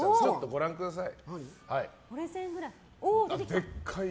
ご覧ください。